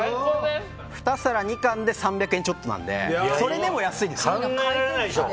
２皿２貫で３００円ちょっとなのでそれでも安いですよ。